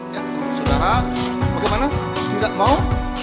ya saudara bagaimana tidak mau